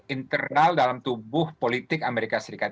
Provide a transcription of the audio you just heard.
internal dalam tubuh politik amerika serikat